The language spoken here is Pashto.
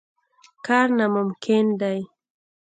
کار ناممکن دی.